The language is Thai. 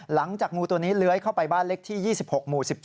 หลังจากงูตัวนี้เลื้อยเข้าไปบ้านเล็กที่๒๖หมู่๑๗